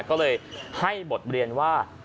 ก็เลยให้บทเรียนว่า